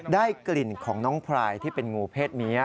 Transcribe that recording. ได้กลิ่นของน้องพรายที่เป็นงูเพศเมีย